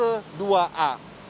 terutama dalam hal ini